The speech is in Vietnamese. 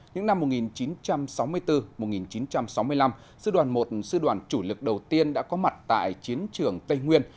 những năm một nghìn chín trăm sáu mươi bốn một nghìn chín trăm sáu mươi năm sư đoàn một sư đoàn chủ lực đầu tiên đã có mặt tại chiến trường tây nguyên